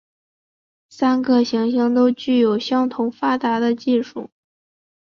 三个行星都具有相当发达的科技。